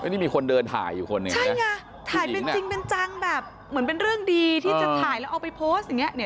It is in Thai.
นี่มีคนเดินถ่ายอยู่คนนี้ใช่ไงถ่ายจริงจังแบบเหมือนเป็นเรื่องดีที่จะถ่ายแล้วเอาไปโพสต์อย่างนี้